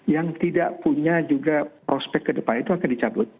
yang tidak punya juga prospek ke depan itu akan dicabut